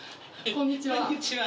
こんにちは